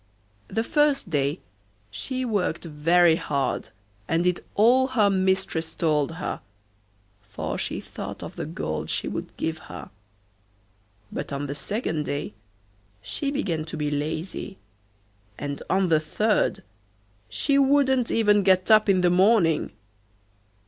The first day she worked very hard, and did all her mistress told her, for she thought of the gold she would give her; but on the second day she began to be lazy, and on the third she wouldn't even get up in the morning.